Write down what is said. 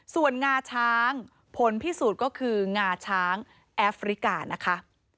ส่วนงาช้างผลพิสูจน์ก็คืองาช้างแอฟริกานะคะ